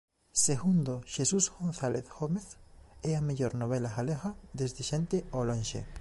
Segundo Xesús González Gómez é "a mellor novela galega desde "Xente ao lonxe".